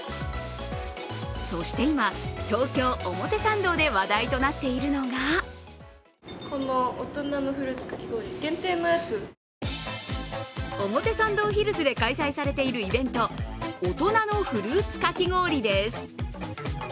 そして今、東京・表参道で話題となっているのが表参道ヒルズで開催されているイベント大人のフルーツかき氷です。